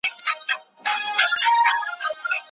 ویل کېږي چي احساساتي څېړنه په کره کتنه بدلېږي.